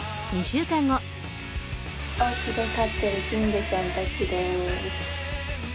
おうちで飼っている金魚ちゃんたちです。